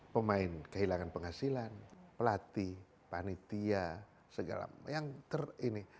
pemain kehilangan penghasilan pelatih panitia segala yang ter ini